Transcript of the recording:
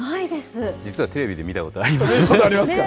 実はテレビで見たことありまありますか。